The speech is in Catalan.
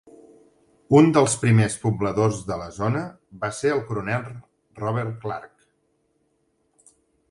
Un dels primers pobladors de la zona va ser el coronel Robert Clark.